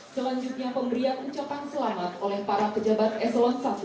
selanjutnya pemberian ucapan selamat oleh para pejabat eselon i